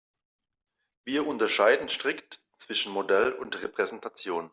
Wir unterscheiden strikt zwischen Modell und Repräsentation.